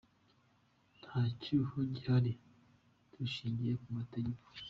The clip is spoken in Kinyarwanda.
Nta cyuho gihari dushingiye ku mategeko.